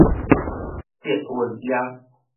捷運驛